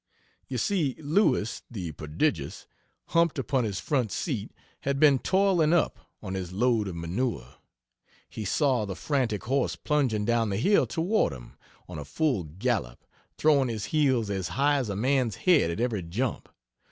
You see Lewis, the prodigious, humped upon his front seat, had been toiling up, on his load of manure; he saw the frantic horse plunging down the hill toward him, on a full gallop, throwing his heels as high as a man's head at every jump.